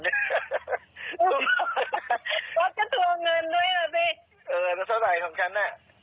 เดี๋ยวหานัตรีก่อนนะอารมณ์ไม่ดีเครียด